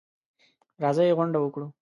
راځئ غونډه وکړو.